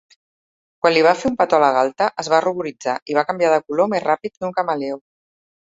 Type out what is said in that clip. Quan li va fer un petó a la galta, es va ruboritzar i va canviar de color més ràpid que un camaleó.